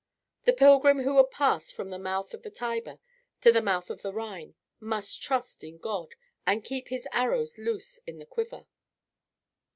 The pilgrim who would pass from the mouth of the Tiber to the mouth of the Rhine must trust in God and keep his arrows loose in the quiver.